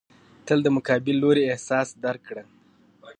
تل د مقابل لوري احساس درک کړه.